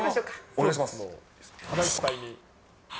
お願いします。